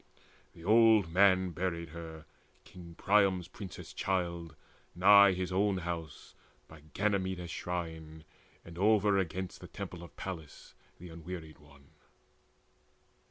The old man buried her, King Priam's princess child, nigh his own house, By Ganymedes' shrine, and overagainst The temple of Pallas the Unwearied One.